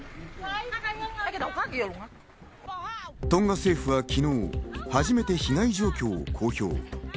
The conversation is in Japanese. トンガ政府は昨日、初めて被害情報を公表。